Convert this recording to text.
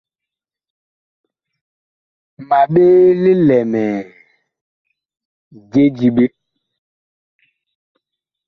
Ma ɓee lilɛmɛɛ je diɓe.